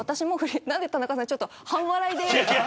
何で田中さん、半笑いで。